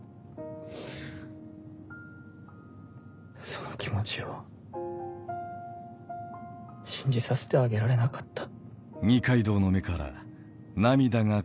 その気持ちを信じさせてあげられなかった。